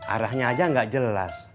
arahnya aja gak jelas